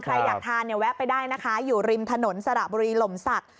ใครอยากทานเนี่ยแวะไปได้นะคะอยู่ริมถนนสระบุรีหล่มศักดิ์